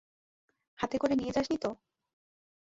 হাতে করে নিয়ে যাস নি তো?